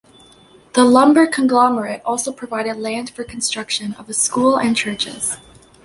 The lumber conglomerate also provided land for construction of a school and churches.